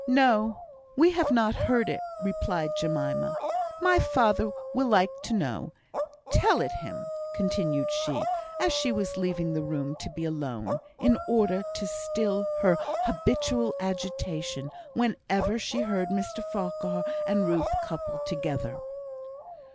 "No! we have not heard of it," replied Jemima. "My father will like to know; tell it him;" continued she, as she was leaving the room, to be alone, in order to still her habitual agitation whenever she heard Mr Farquhar and Ruth coupled together.